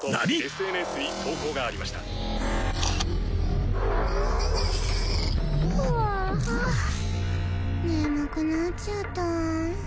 ＳＮＳに投稿がありましたふあ眠くなっちゃった